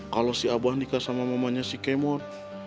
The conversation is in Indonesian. kalau si abah nikah sama mamanya si kemon